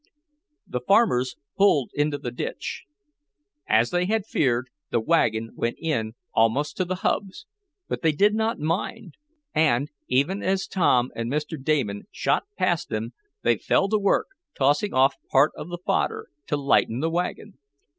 The farmers pulled into the ditch. As they had feared the wagon went in almost to the hubs, but they did not mind, and, even as Tom and Mr. Damon shot past them, they fell to work tossing off part of the fodder, to lighten the wagon.